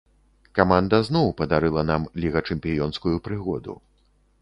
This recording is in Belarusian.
Каманда зноў падарыла нам лігачэмпіёнскую прыгоду.